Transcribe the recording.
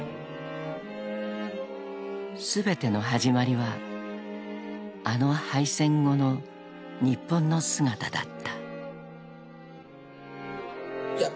［全ての始まりはあの敗戦後の日本の姿だった］